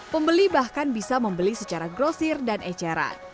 pembeli bahkan bisa membeli secara grosir dan eceran